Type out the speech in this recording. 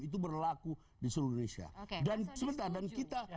itu berlaku di seluruh indonesia